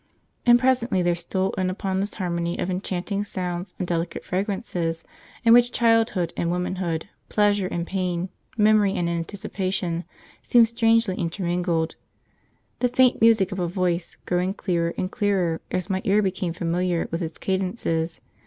And presently there stole in upon this harmony of enchanting sounds and delicate fragrances, in which childhood and womanhood, pleasure and pain, memory and anticipation, seemed strangely intermingled, the faint music of a voice, growing clearer and clearer as my ear became familiar with its cadences.